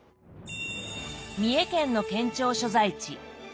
三重県の県庁所在地津市。